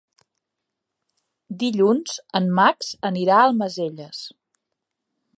Dilluns en Max anirà a Almacelles.